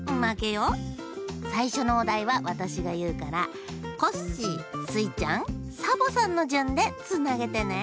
さいしょのおだいはわたしがいうからコッシースイちゃんサボさんのじゅんでつなげてね！